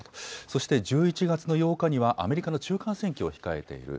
そして１１月の８日には、アメリカの中間選挙を控えている。